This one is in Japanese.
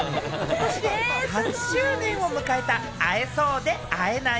８周年を迎えた会えそうで会えない